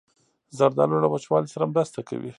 زردالو له وچوالي سره مرسته کوي.